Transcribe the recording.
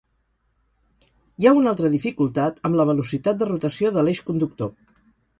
Hi ha una altra dificultat amb la velocitat de rotació de l'eix conductor.